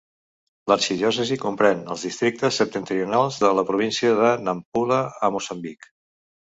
L'arxidiòcesi comprèn els districtes septentrionals de la província de Nampula a Moçambic.